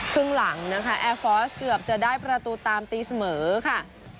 ครึ่งหลังนะคะแอร์ฟอร์สเกือบจะได้ประตูตามตีเสมอค่ะ